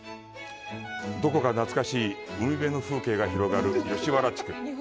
どこか懐かしい海辺の風景が広がる吉原地区。